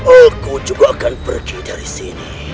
aku juga akan pergi dari sini